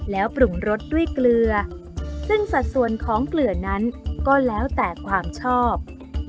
แล้วปรุงรสด้วยเกลือซึ่งสัดส่วนของเกลือนั้นก็แล้วแต่ความชอบ